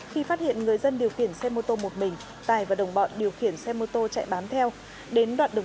khi phát hiện người dân điều khiển xe mô tô một mình tài và đồng bọn điều khiển xe mô tô chạy bám theo